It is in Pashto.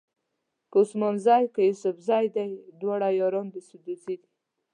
که عثمان زي که یوسفزي دي دواړه یاران د سدوزي دي.